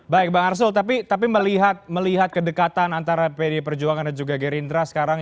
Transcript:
baik bang arsul tapi melihat kedekatan antara pdi perjuangan dan juga gerindra sekarang